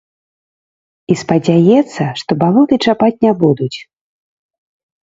І спадзяецца, што балоты чапаць не будуць.